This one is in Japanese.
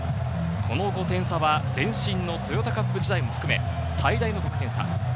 この５点差は前身のトヨタカップ時代も含め最大の得点差。